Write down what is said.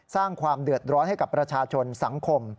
สร้างความเดือดร้อนให้กับประชาชนสังคม